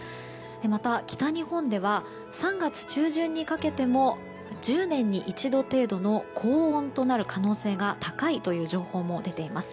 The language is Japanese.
また、北日本では３月中旬にかけても１０年に一度程度の高温となる可能性が高いという情報も出ています。